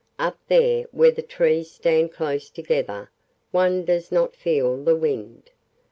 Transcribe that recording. "Up there where the trees stand close together one does not feel the wind.